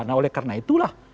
nah oleh karena itulah